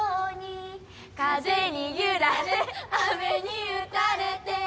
「風に揺られ雨に打たれて」